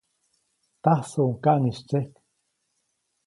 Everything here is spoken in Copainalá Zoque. Tajsuʼuŋ kaŋʼis tsyejk.